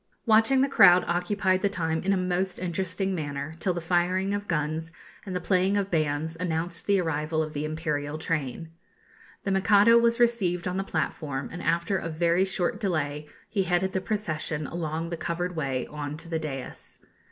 Watching the crowd occupied the time in a most interesting manner, till the firing of guns and the playing of bands announced the arrival of the imperial train. The Mikado was received on the platform, and after a very short delay he headed the procession along the covered way on to the daïs.